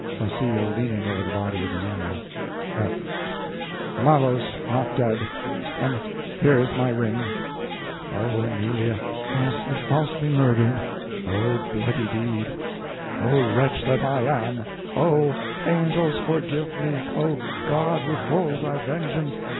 (Farcillo leaning over the body of Amelia.) F. Malos not dead, and here is my ring! Oh, Amelia! falsely murdered! Oh, bloody deed! Oh, wretch that I am! Oh, angels forgive me! Oh, God, withhold thy vengeance!